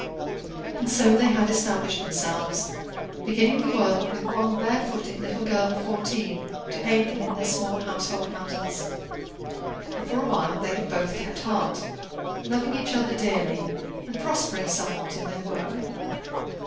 And so they had established themselves, beginning the world with one bare footed little girl of fourteen to aid them in their small household matters; and for a while they had both kept heart, loving each other dearly, and prospering somewhat in their work.